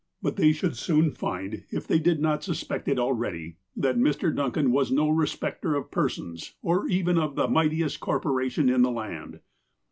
But they should soon find, if they did not suspect it al ready, that Mr. Duncan was no respecter of persons, or even of the mightiest corporation in the land.